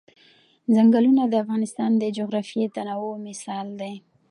چنګلونه د افغانستان د جغرافیوي تنوع مثال دی.